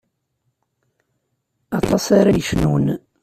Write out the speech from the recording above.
Aṭas ara yecnun.